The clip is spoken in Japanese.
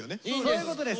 そういうことです。